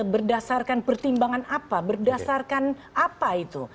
berdasarkan pertimbangan apa berdasarkan apa itu